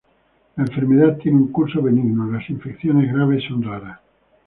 La enfermedad tiene un curso benigno, las infecciones graves son raras.